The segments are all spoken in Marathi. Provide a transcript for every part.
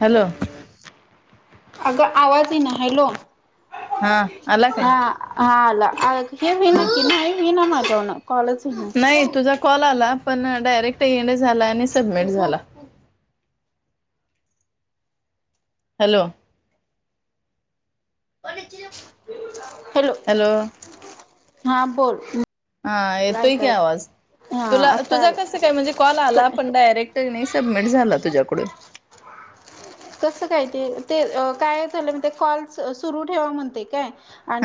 हॅलो! अगं आवाज येईना हलो हा अला काय? हा आला हे होईना की नाही होईना माझ्यावन कॉलच होईना नाही तुझा कॉल आला पण डायरेक्ट येणे झाला आणि सबमिट झाला. Hello hello. हां बोल हा येतोय की ऐका आवाज. हा तुला आता तुझा आला कस काय म्हणजे कॉल आला कट पण डायरेक्ट नाही सबमिट झाला तुझ्याकडून? [inaudible] कसं काय ते काय झालं म ते कॉलस सुरू ठेवा म्हणते काय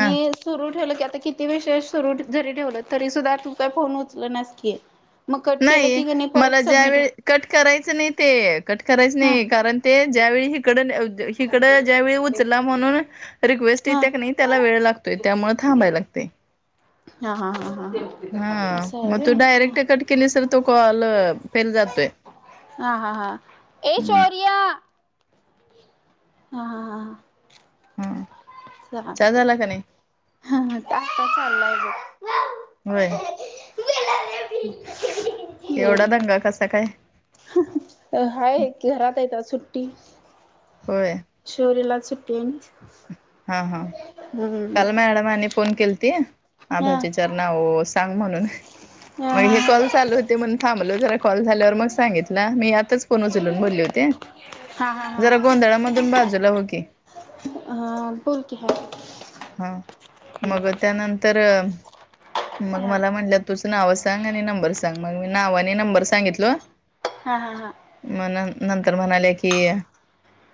हा सुरू ठेवलं की आता किती वेष सुरू जरी ठेवलं तरी सुद्धा काय फोन उचलेनास की मग कट केलं नाही की मला परत सबमिट ज्यावेळी कट करायचं नाही ते. कट करायच हा नाही कारण ते ज्यावेळी हिकड हिकडं ज्यावेळी उचला म्हणून रिक्वेस्ट हा येतेया नाही त्याला वेळ लागतोय त्यामुळे थांबाय लागते. हा हा हा हा हा असं आहे मग तू व्हय डायरेक्ट कट केल असेल तो कॉल फेल जातोय. हा हा हा ए हम्म शौर्य हा हा हा ह हा चलाह चहा झाला का नाही आता चाललाय ब होय एवढा दंगा कसा काय? हाय घरात येत आज सुट्टी. होय. शौर्य ला आज सुट्टी आहे ना. हा हा हम्म काल मॅडमने फोन केली ती हा आभजीचार नाव सांग म्हणून हा मग हा हे कॉल चालू होते म्हणून थांबलो जरा कॉल झाल्यावर मग सांगितला मी आतच फोन उचलून बोलले होते. हा हा हा जरा गोंधळामधून बाजूला हो की. हा बोलकी. हा मग त्यानंतर मग हा मला म्हटल्या तुझं नाव सांग आणि नंबर सांग मग म नाव आणि नंबर सांगितलो हा हा हा. म नंतर म्हणाले की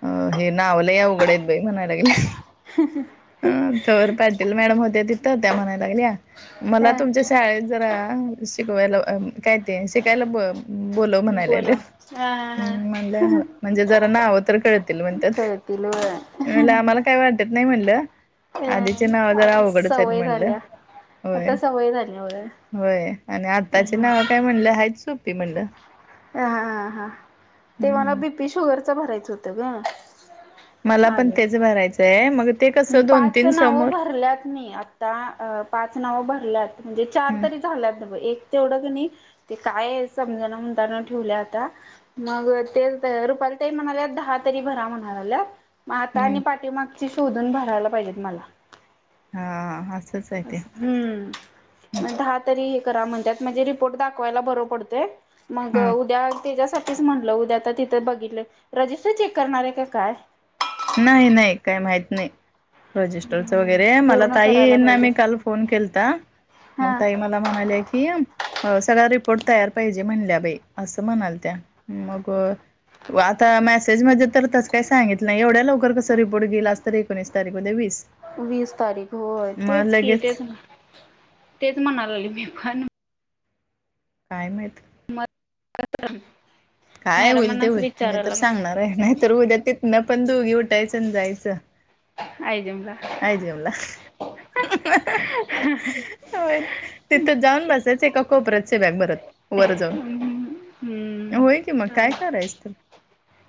अ हे नावलया अवघडहयात बाई म्हनाय लागलया. ह. ह अ तर पाटील मॅडम होत्या तिथं त्या म्हणायला लागल्या मला तुमच्या शाळेत जरा शिकवायला अ काय ते शिकायला ब बोलव म्हणाय लायले बोलवा हा हा हा म्हणलं म्हणजे जरा नावं तर कळत म्हणतात कळतील व्हय मी म्हणलं आम्हाला काय वाटत नाही म्हणलं अ आधीचे नाव जरा आता उघडच आहेत सवय म्हणलं झाल्या होय आता सवय झाल्या व्हय होय आणि आताची हा नाव काय म्हणले हाय चूप ती म्हणलं हा हा हा ते मला हम्म बीपी शुगरच भरायचं होतं ग मला पण तेच आलेलं भरायचंय मग ते कसं दोन तीन समोर ल्यात मी आत्ता अ पाच नाव भरल्यात चार हम्म तरी झाल्यात ब एक तेवढं कणी ते काय समजना म्हणताना ठेवल्या आता मग ते च रुपाल तई म्हणाल्यात दहा तरी भरा म्हणा लागल्यात म आता आणि हम्म पाठीमागची शोधून भरायला पाहिजेत मला हा असंच आहे ते. हम्म दहा तरी हे करा म्हणतात म्हणजे रिपोर्ट दाखवायला बर पडतंय मग हा उद्या तीझ्यासाठी म्हटलं उद्या आता तिथे बघितलं रजिस्टर चेक करणार आहे का काय नाही नाही काही माहत नाही रजिस्टर च वगैरे मला पूर्ण करायला ताईना पाहिजे मी काल फोन केलता मग हा ताई मला म्हणा णाले की अ सगळ्या रिपोर्ट तयार पाहिजे म्हणल्या बाई असं म्हणालत्या मग आता मेसेजमध्ये तर तस काही सांगितल नाही एवढ्यात लवकर कस रिपोर्ट गेला आज तर एकोणीस तारीख उद्या वीस वीस तारीख होय मग तेच की लगेच तेच तेच म्हणा लागलोय मी पण काय माहीत असुरम [unintelligible] काय होईल ते होईल मी तर सांगणार आहे नाही तर उद्या तिथनं पण दुघी उठायचं आणि जायचं आयजमला आयजमला हा हा [inaudible] होय तिथं जाऊन बसायचं ए का कोपऱ्यात शिराय बरं वर जाऊन हम्म होय की मग चाल काय करायचं तर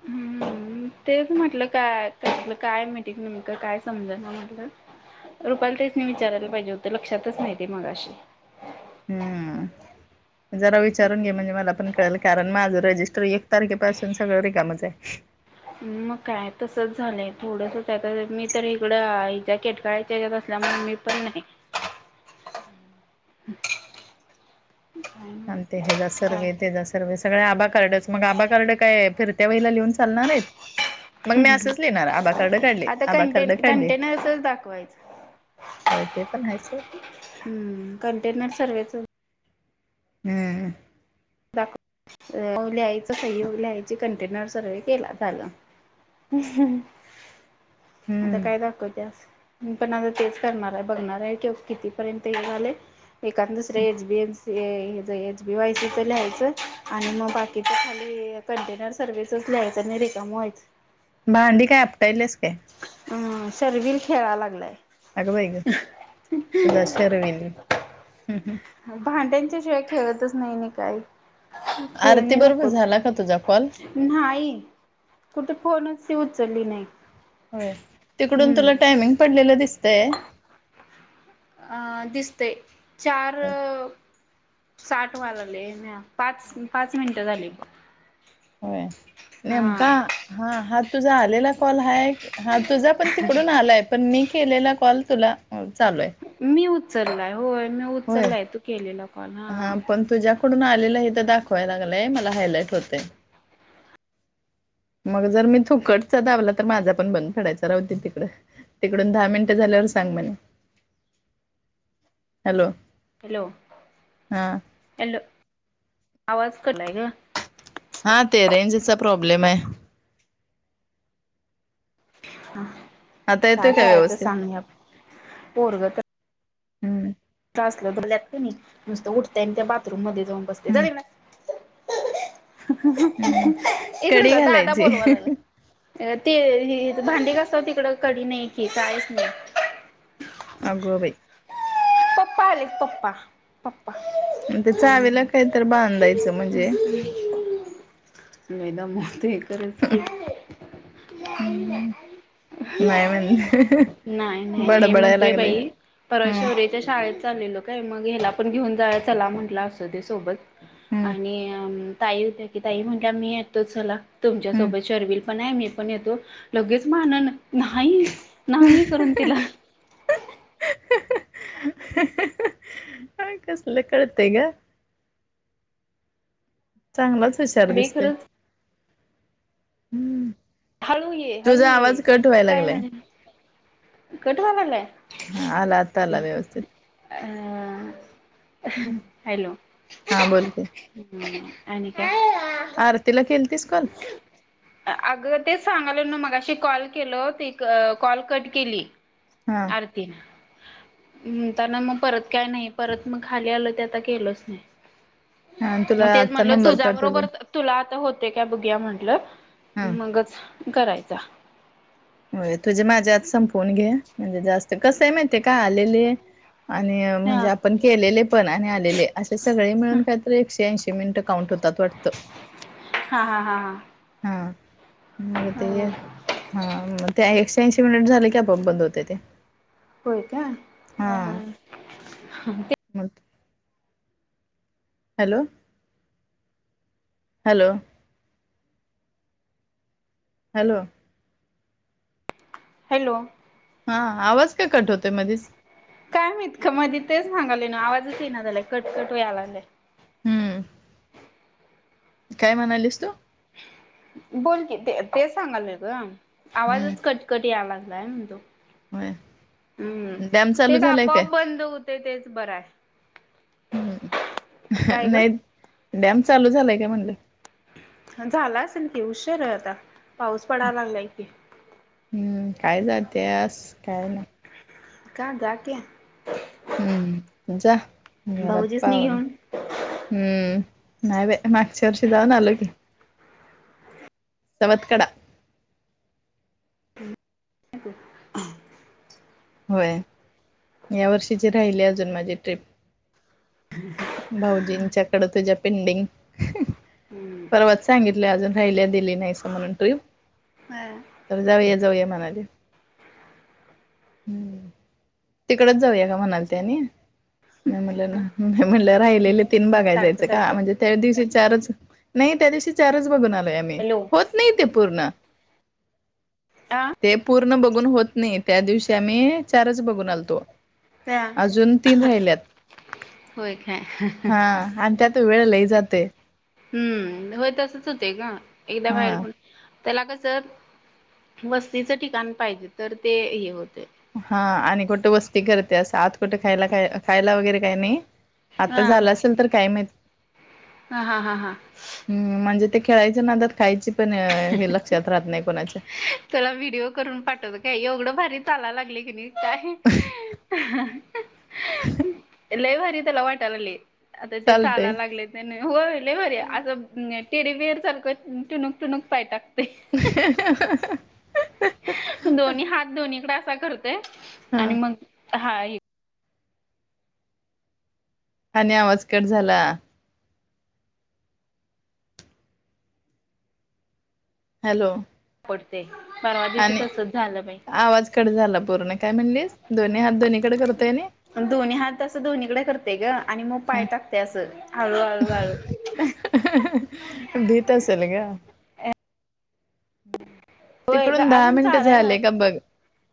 हम्म तेच म्हटलं काय त्यातलं काय मिटिंग नेमकं काय समजना म्हटलं रूपाली ताईसनी विचारायला पाहिजे होत लक्षातच नाही ते मगाशी हम्म जरा विचारून घे म्हणजे मला पण कळेल कारण माझं रजिस्टर एक तारखेपासून सगळं रिकामच आहे मग काय तसच झालंय थोडस [inaudible] मी तर इकडं हिच्या केटकाळच्या हयाच्यात असल्यामुळे मी [inaudible] [inaudible] [inaudible] आणि ते हेजा काय सर्वे तेज स सगळया आबा कार्डच मग आबा कार्ड काय फिरत्या वेळेला लिहून चालणार आहेत मग मी असंच लिहिणार आबा कार्ड काढले आता आबा कार्ड कंटेन काढले कंटेनर्सच दाखवायचं होय ते पण आहे सोड हम्म कंटेनर सर्वेच हम्म मग लिहायच सही लिहायची कंटेनर सर्व केला झालं आता काय हम्म दाखवत्यास पण आता तेच करणार आहे बघणार आहे की कितीपर्यंत हे झाले एका दुसरे एचबीएफस ते हेच एच बीवायसी ते लिहायचं आणि मग बाकीच खाली कंटेनर सर्वेचच लिहायचं, आणि रिकाम व्हायचं. भांडी काय आपटायलेस काय? अ सर्विन खेळा लागलाय. अगं बाई ग तुझा शरवीन हं हं! भांड्यांच्या शिवाय खेळतच नाही नी काही. आरती खेळणी बरोबर नकोत. झाला का तुझा कॉल नाही कुठ फोनच ती उचलली नाही. होय तिकडून तुला हम्म टायमिंग पडलेलं दिसतय? अ दिसतय चार साठ वाल ले न्या पाच, पाच, मिनिटं झाली. होय हा नेमका हा हा तुझा आलेला कॉल हाय हा तुझा पण तिकडून आलाय, पण मी केलेला कॉल तुला चालू आहे. मी उचललाय होय मी होय उचललाय तू केलेला कॉल हा. तुझ्याकडून आलेलं हे त दाखवाय लागलंय मला हायलाईट होतेय. मग जर मी थुकटचा दाबला तर माझा पण बंद पडायचा राहूं दे तिकडं. तिकडून दहा मिनिट झाल्यावर सांग म्हने हॅलो! हॅलो हा ऍलो आवाज कट हा ते रेंजचा प्रॉब्लेम आहे ते अ आता काय येतोय का करायचं व्यवस्थित सांगया पोरगत हम्म त असल त ल्यात कणी, नुसतं उठतय अन त्या बाथरूम मध्ये जाऊन बसतय जा हम्म तिकडं. हम्म कडी इकडेजा दादा घालायची बोलवाया लागलाय. अ ते हे त भांडी घसावं तिकडं कडी नाही कि काचाहीच नाही आगबाई. पप्पा आलेत पप्पा. पप्पा न ते चावीला काही तर बांधायचं म्हणजे [unintelligible] नाही, हम्म नाही म्हण नाही, नही बडबडाय म्हणतोय लागले बाई. परवा हम्म शोर्य च्या शाळेत चाललेलो काय, मग ह्याला पण घेऊन जाय चला म्हटलं असु दे सोबत. हम्म आणि अं! ताई होत्या की ताई म्हणल्या, मी येतो चला तुमच्यासोबत शर्विल पण आहे मी पण येतो लगेच मानन नाही, नाही करून तिला काय कासला कळतय ग! चांगलाच हुशार बे दिसतय खरंच हूं! हळू ये, हळू ये, काय लागलाय म्हणे कठ वा लागलाय? हा आला आताला व्यवस्थित. [unintelligible] हूं हा आणि बोल की काय? [unintelligible] आरतीला केलतीस कॉल? अगं तेच सांगाले नो मगाशी कॉल केल ते कॉल कट केली हं! तीन! हूं ताना म परत काय नाही, परत म खाली आलं ते आता गेलोच नाही. हा म तुला तेच आता म्हनलं नंबर तुझ्या पाठवले बरोबर तुला आता होते का बघुया म्हंटलं हा मंगच करायचा? होय तुझे माझ्या आत संपवून घे, म्हणजे जास्त कसं आहे माहितीय काय आलेले आणि म्हणजे हा आपण केलेले पण आणि आलेले, असे सगळे मिळून कायतर, एकशे ऐंशी मिनिटं काउंट होतात वाटतं हा हा हा हा! हा मग ते हाग ते एकशे ऐंशी मिनिट झाले की आपोआप बंद होते ते. होतं कां बरं म [inaudible] हॅलो हॅलो हॅलो हॅलो हा आवाज का कट होतोय मधेच. काय माहीत का मध्ये तेच सांगाले ना आवाजच ये ना झालाय कटकट वयालागलाय. हम्म काय म्हणालीस तू बोलकी ते ते सांगालय ग. हम्म आवाजच कटकट यायला लागलाय. होय हम्म डॅम चालू तेच झालाय आपोआप काय बंद होते तेच बर आहे. ह् काय ग? नाही डॅम चालू झालाय का म्हणलं. झाला असेल कि उशीर आहे आता पाऊस पडायला लागलाय की. हम्म काय जात आस काय नाही का जा की हम्म जा घरात भाऊजीसनी पाहुणे घेऊन हम्म नाही बाई मागच्या वर्षी जाऊन आलोय की. सवत्कडा होय या वर्षीची राहिली अजून माझी ट्रिप. भाऊजीनच्या कडे तुझ्या पेंडिग. परवाच सांगितलं अजून राहिल्या दिली नाहीस म्हणून ट्रिप हम तर जाऊया जाऊया म्हणाले तिकडच जाऊया का म्हणाल त्यानी म म्हणल्या ना म म्हणल्या राहिलेले तीन बघाय सारखे जायच का सारखे म्हणजे त्या दिवशी चारच नाही त्या दिवशी चारच बघून आलोय. हॅलो होत नाही ते पूर्ण. हां ते पूर्ण बघून होत नाही त्या दिवशी आम्ही चारच बघून आलतो. त्या अजून तीन राहिल्यात होय काय हा आणि त्यात. वेळ लई जातेय हम्म होय तसच होतेय ग एकदा बाहेर हा पण त्याला कसर वस्तीचं ठिकाण पाहिजे तर ते हे होते हा आणि कुठं वस्ती करते असं आत कुठे खायला खायला वगैरे काय नाही. आता हा झालं असेल तर काय माहित. हा हा हा हां हम म्हणजे ते खेळायचे नादात खायची पण हे लक्षात राहत नाही कोणाच्या. तुला व्हिडिओ करून पाठवत काय एवढं भारी चालायला लागलय की नाही. काय लय भारी त्याला वाटायला लागलय. आता ते चालतय चालायला लागले त्यां हो लय भारी असं. टेडी बियर सारखं टुनूक टुनूक पाय टाकतय. ह [inaudible] दोन्ही हात दोन्हीकडे असा करतोय हा आणि मग हा आणि आवाज कट झाला. हॅलो पडते परवा दिवशी आणि तसच झालं बाई. आवाज कट झाला पूर्ण काय म्हणलीस दोन्ही हात दोन्ही कडे करतोय ना. दोन्ही हात असं दोन्हीकडे करते ग आणि मग हा पाय टाकताय अस हळू हळू हळू भित असेल ग होय ग तिकडून दहा अजून मिनट चालाय झाले का बघ?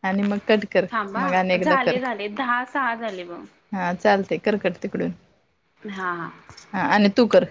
आणि मग कट कर थांबा मग आणि एकदा कर. झाले झाले दहा सहा झाले बघ हा चालते कर कट तिकडून. हा हा हा आणि तू कर